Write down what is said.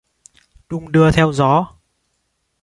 Đung đưa theo gió